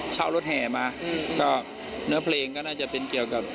เช่ารถแห่มาก็เนื้อเพลงก็น่าจะเป็นเกี่ยวกับ